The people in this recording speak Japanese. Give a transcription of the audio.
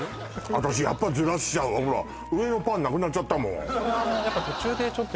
私やっぱズラしちゃうわほら上のパンなくなっちゃったもん